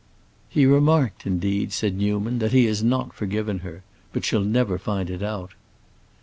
"He remarked, indeed," said Newman, "that he has not forgiven her. But she'll never find it out."